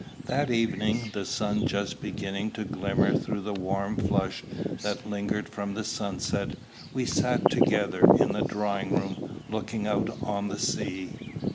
That evening, the stars just beginning to glimmer through the warm flush that lingered from the sunset, we sat together in the drawing room looking out on the sea.